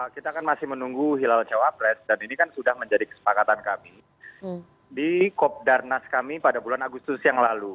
kita kan masih menunggu hilal cawapres dan ini kan sudah menjadi kesepakatan kami di kopdarnas kami pada bulan agustus yang lalu